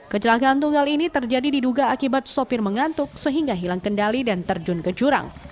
kecelakaan tunggal ini terjadi diduga akibat sopir mengantuk sehingga hilang kendali dan terjun ke jurang